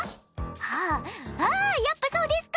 あぁあやっぱそうですか！